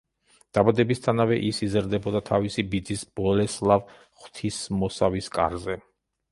დაბადებისთანავე ის იზრდებოდა თავისი ბიძის ბოლესლავ ღვთისმოსავის კარზე.